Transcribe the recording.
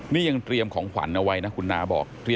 นี่ยังเตรียมของขวัญเอาไว้นะคุณน้าบอก